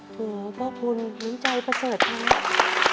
โหขอบคุณในใจประเสริฐครับ